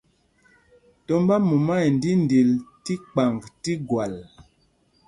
Tombá mumá ɛ ndíndil tí kpaŋg tí gwal.